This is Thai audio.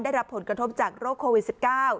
ได้รับผลกระทบจากโรคโควิด๑๙